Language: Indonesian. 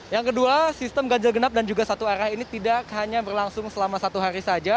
yang kedua sistem ganjil genap dan juga satu arah ini tidak hanya berlangsung selama satu hari saja